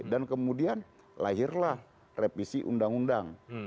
dan kemudian lahirlah revisi undang undang